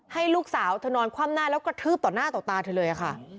ให้ลูกสาวเธอนอนคว่ำหน้าแล้วกระทืบต่อหน้าต่อตาเธอเลยค่ะ